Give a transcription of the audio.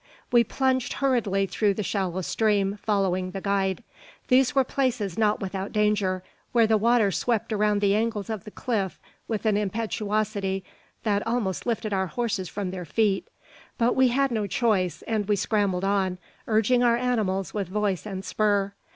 We plunged hurriedly through the shallow stream, following the guide. There were places not without danger, where the water swept around angles of the cliff with an impetuosity that almost lifted our horses from their feet; but we had no choice, and we scrambled on, urging our animals with voice and spur.